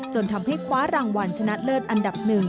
จนทำให้คว้ารางวัลชนะเลิศอันดับ๑